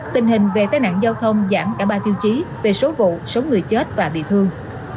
tình hình về tai nạn giao thông giảm cả ba tiêu chí về số vụ số người chết và bị thương